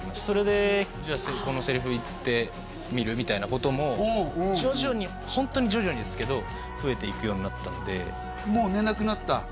それでじゃこのセリフ言ってみるみたいなことも徐々にホントに徐々にですけど増えていくようになったんでもう寝なくなった？